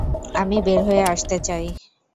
আমি বের হয়ে আসতে চাই।